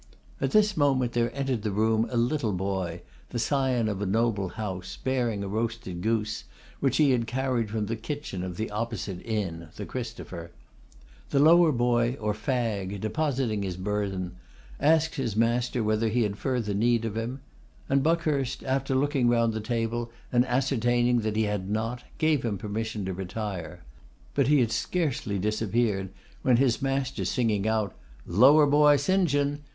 At this moment there entered the room a little boy, the scion of a noble house, bearing a roasted goose, which he had carried from the kitchen of the opposite inn, the Christopher. The lower boy or fag, depositing his burthen, asked his master whether he had further need of him; and Buckhurst, after looking round the table, and ascertaining that he had not, gave him permission to retire; but he had scarcely disappeared, when his master singing out, 'Lower boy, St. John!